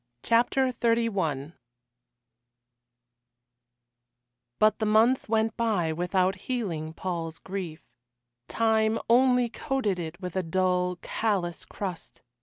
CHAPTER XXXI But the months went by without healing Paul's grief. Time only coated it with a dull, callous crust.